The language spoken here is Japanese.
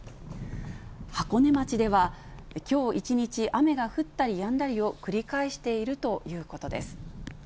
箱根町では、きょう一日雨が降ったりやんだりを繰り返しているということです。